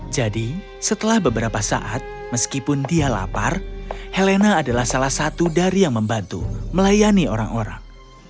jadi setelah beberapa saat meskipun dia lapar helena adalah salah satu dari yang membantu melayani orang orang